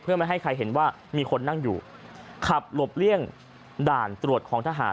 เพื่อไม่ให้ใครเห็นว่ามีคนนั่งอยู่ขับหลบเลี่ยงด่านตรวจของทหาร